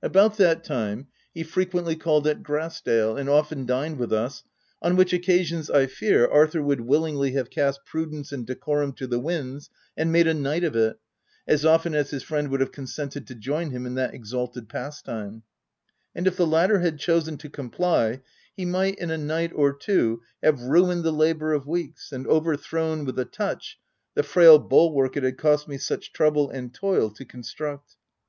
About that time he frequently called at Grass dale, and often dined with us, on which occa sions, I fear, Arthur would willingly have cast prudence and decorum to the winds and made ' a night of it/ as often as his friend would have consented to join him in that exalted pas time ; and if the latter had chosen to comply, he might in a night or two, have ruined the labour of weeks, and overthown with a touch, the frail bulwark it had cost me such trouble and toil to construct.